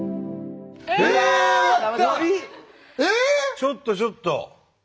ちょっとちょっと。